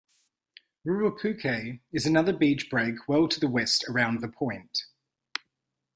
Ruapuke is another beach break well to the west around the point.